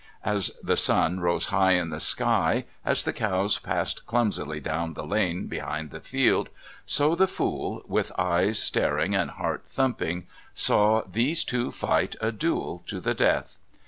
As the sun rose high in the sky, as the cows passed clumsily down the lane behind the field so the fool, with eyes staring and heart thumping, saw these two fight a duel to the death.